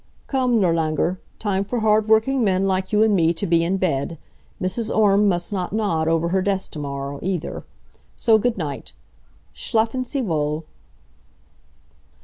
"Come Nirlanger! Time for hard working men like you and me to be in bed. Mrs. Orme must not nod over her desk to morrow, either. So good night. Schlafen Sie wohl."